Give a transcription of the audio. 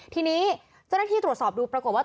ทีนี้เจ้าหน้าที่ตรวจสอบดูปรากฏว่า